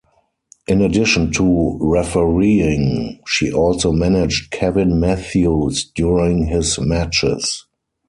In addition to refereeing, she also managed Kevin Matthews during his matches.